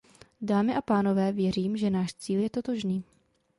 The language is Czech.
Dámy a pánové, věřím, že náš cíl je totožný.